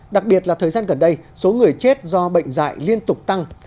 đặc biệt là thời gian gần đây số người chết do bệnh dạy liên tục tăng